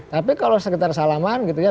tapi kalau sekitar salaman gitu ya